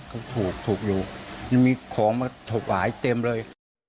เขาถูกถูกอยู่มีของก็ถูกหวายเต็มเลย